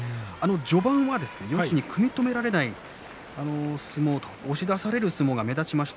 序盤は四つに組み止められない相撲押し出される相撲が目立ちました。